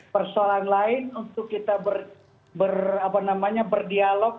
persoalan lain untuk kita berdialog